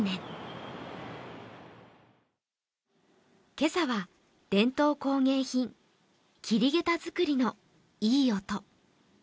今朝は伝統工芸品、桐げた作りのいい音。